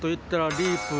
リープル。